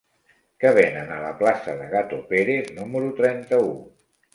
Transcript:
Què venen a la plaça de Gato Pérez número trenta-u?